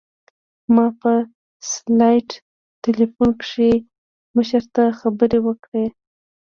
ما په سټلايټ ټېلفون کښې مشر ته خبر وركړ.